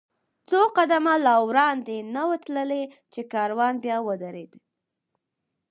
څو قدمه لا وړاندې نه و تللي، چې کاروان بیا ودرېد.